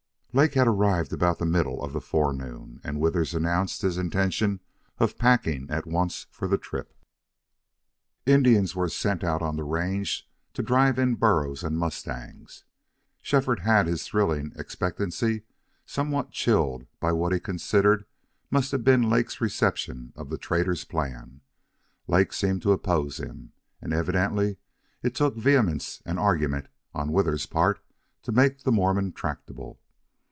Lake had arrived about the middle of the forenoon, and Withers announced his intention of packing at once for the trip. Indians were sent out on the ranges to drive in burros and mustangs. Shefford had his thrilling expectancy somewhat chilled by what he considered must have been Lake's reception of the trader's plan. Lake seemed to oppose him, and evidently it took vehemence and argument on Withers's part to make the Mormon tractable.